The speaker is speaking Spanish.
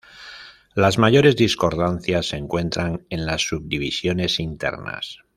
Las mayores discordancias se encuentran en las subdivisiones internas.